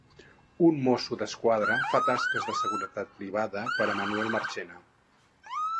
Un Mosso d'Esquadra fa tasques de seguretat privada per a Manuel Marchena.